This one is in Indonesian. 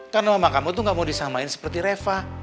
karena mama kamu tuh gak mau disamain seperti reva